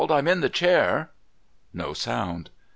"I'm in the chair." No sound.